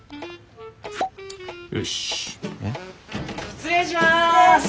失礼します！